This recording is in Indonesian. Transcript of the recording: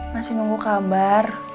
masih nunggu kabar